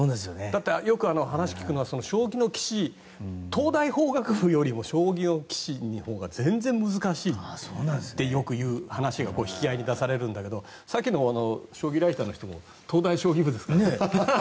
だって、よく話を聞くのは東大法学部よりも将棋の棋士のほうが全然、難しいってよく話が引き合いに出されるけどさっきの将棋ライターの人も東大将棋部ですから。